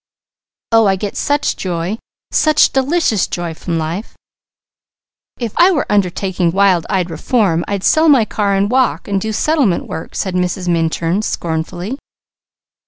Oh, I get such joy, such delicious joy from life." "If I were undertaking wild eyed reform, I'd sell my car and walk, and do settlement work," said Mrs. Minturn scornfully.